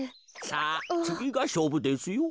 さあつぎがしょうぶですよ。